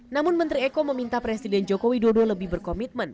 namun menteri eko meminta presiden joko widodo lebih berkomitmen